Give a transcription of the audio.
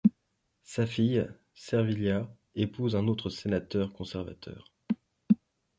Sa fille, Servilia, épouse un autre sénateur conservateur.